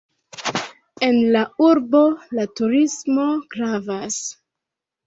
En la urbo la turismo gravas.